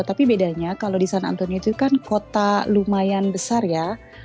tapi bedanya kalau di san antonio itu kan kota lumayan besar ya